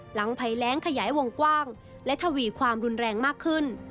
ภัยแรงขยายวงกว้างและทวีความรุนแรงมากขึ้น